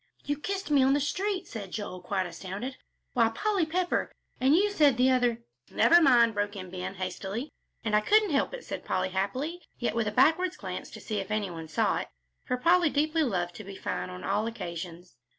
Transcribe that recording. "You kissed me on the street!" said Joel, quite astounded. "Why, Polly Pepper, and you said the other " "Never mind," broke in Ben, hastily. "And I couldn't help it," said Polly, happily, yet with a backward glance to see if any one saw it, for Polly deeply loved to be fine on all occasions.